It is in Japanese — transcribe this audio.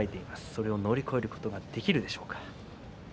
それを乗り越えることができるでしょうか。